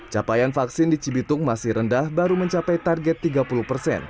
capaian vaksin di cibitung masih rendah baru mencapai target tiga puluh persen